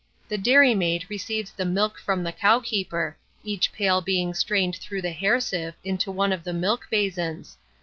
The dairy maid receives the milk from the cowkeeper, each pail being strained through the hair sieve into one of the milk basins.